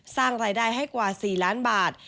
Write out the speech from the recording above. สร้างรายได้ให้กว่า๔ล้านบาท